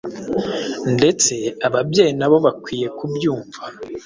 ndetse ababyeyi na bo bakwiye kubyumva